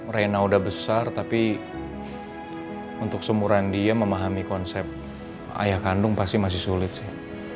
reina udah besar tapi untuk seumuran dia memahami konsep ayah kandung pasti masih sulit sih